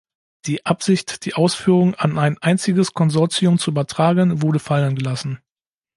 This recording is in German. Die Absicht, die Ausführung an ein einziges Konsortium zu übertragen, wurde fallen gelassen.